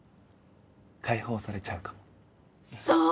解放されちゃうかもそう！